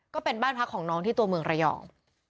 ก็เป็นบ้านพักของน้องที่ตัวเมืองระยอง